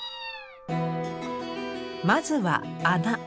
まずは「孔」。